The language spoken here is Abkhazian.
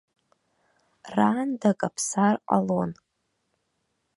Раанда каԥсар ҟалон.